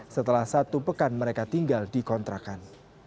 setelah satu pekan mereka tinggal di kontrakan